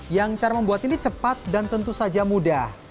yang cara membuat ini cepat dan tentu saja mudah